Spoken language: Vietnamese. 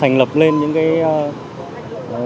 thành lập lên những cái nhóm này